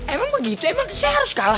emang begitu emang saya harus kalah